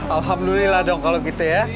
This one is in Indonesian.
alhamdulillah dong kalau gitu ya